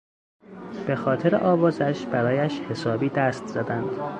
بخاطر آوازش برایش حسابی دست زدند.